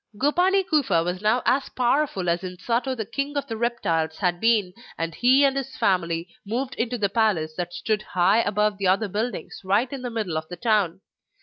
Gopani Kufa was now as powerful as Insato the King of the Reptiles had been, and he and his family moved into the palace that stood high above the other buildings right in the middle of the town.